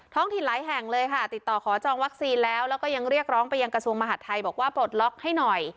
ถิ่นหลายแห่งเลยค่ะติดต่อขอจองวัคซีนแล้วแล้วก็ยังเรียกร้องไปยังกระทรวงมหาดไทยบอกว่าปลดล็อกให้หน่อย